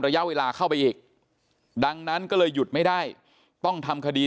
ระยะเวลาเข้าไปอีกดังนั้นก็เลยหยุดไม่ได้ต้องทำคดี